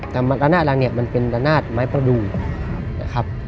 แต่ละนาดรังเนี่ยมันเป็นระนาดไม้ประดูกนะครับ